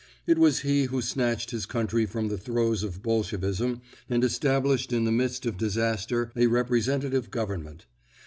It was he who snatched his country from the throes of Bolshevism and established in the midst of disaster a representative government.